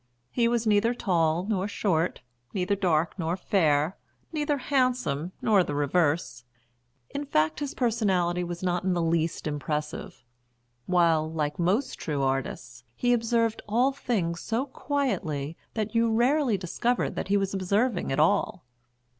He was neither tall nor short, neither dark nor fair, neither handsome nor the reverse; in fact his personality was not in the least impressive; while, like most true artists, he observed all things so quietly that you rarely discovered that he was observing at all.